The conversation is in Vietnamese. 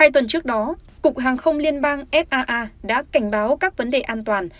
hai tuần trước đó cục hàng không liên bang faa đã cảnh báo các vấn đề an toàn